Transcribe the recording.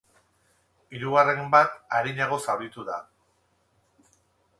Hirugarren bat arinago zauritu da.